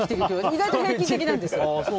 意外と平均的なんです。